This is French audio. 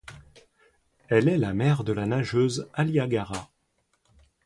Elle est la mère de la nageuse Alya Gara.